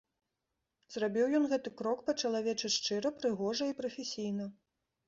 Зрабіў ён гэты крок па-чалавечы шчыра, прыгожа і прафесійна.